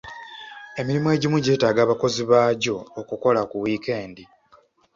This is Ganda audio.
Emirimu egimu gyeetaaga abakozi baagyo okukola ku wiikendi.